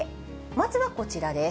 まずはこちらです。